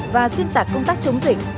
và xuyên tạc công tác chống dịch